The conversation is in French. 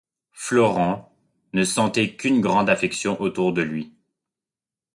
Florent ne sentait qu’une grande affection autour de lui.